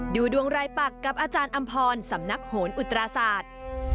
ดูดวงรายปักกับอาจารย์อำพรสำนักโหนอุตราศาสตร์